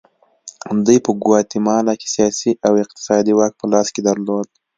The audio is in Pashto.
دوی په ګواتیمالا کې سیاسي او اقتصادي واک په لاس کې درلود.